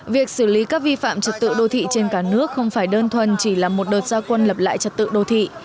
việc xử lý các vi phạm trật tự đô thị trên cả nước không phải đơn thuần chỉ là một đợt gia quân lập lại trật tự đô thị